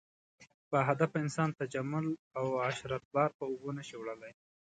باهدفه انسان تجمل او عشرت بار په اوږو نه شي وړلی.